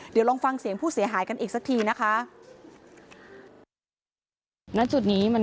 เดี๋ยวลองฟังเสียงผู้เสียหายกันอีกสักทีนะคะ